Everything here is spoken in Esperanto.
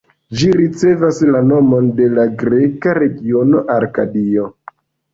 Ĝi ricevas la nomon de la greka regiono Arkadio.